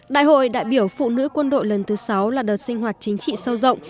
đại hội đại biểu phụ nữ quân đội lần thứ sáu là đợt sinh hoạt chính trị sâu rộng